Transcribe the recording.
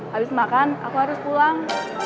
habis makan aku harus pulang